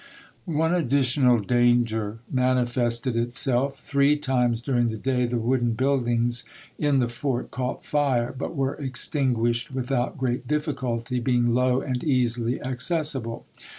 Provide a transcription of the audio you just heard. ^^ pP; ^o. One additional danger manifested itself: three times duriDg the day the wooden buildings in the fort caught fire, but were extinguished without great difficulty, being low and easily accessible.